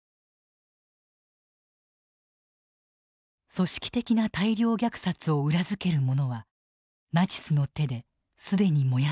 組織的な大量虐殺を裏付けるものはナチスの手で既に燃やされていた。